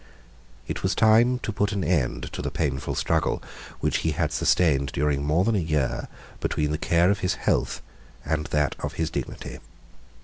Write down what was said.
It was time to put an end to the painful struggle, which he had sustained during more than a year, between the care of his health and that of his dignity.